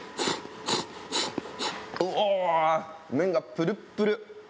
麺がプルップル。